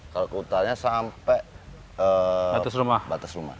kalau keutannya sampai batas rumah